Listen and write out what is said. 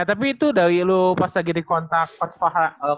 eh tapi itu dari lu pas lagi di kontak coach farhan